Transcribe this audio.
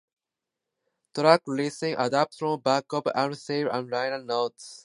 Track listing adapted from back of album sleeve and liner notes.